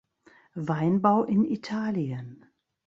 Weinbau in Italien